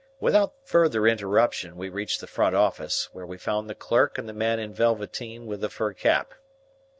Without further interruption, we reached the front office, where we found the clerk and the man in velveteen with the fur cap.